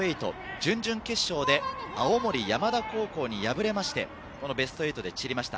準々決勝で青森山田高校に敗れまして、ベスト８で散りました。